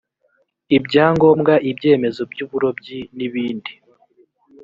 ibyangobwa ibyemezo by’uburobyi n’ibindi